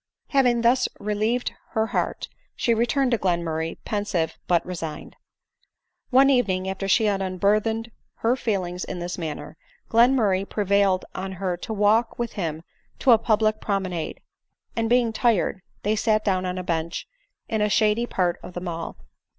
Having thus relieved her heart, she return ed to Glenmurray, pensive, but resigned. One evening after she had unburthened her feelings in this manner, Glenmurray prevailed on her to walk with him to a public promenade ; and being tired, they sat down<on a bench in a shady part of the mall.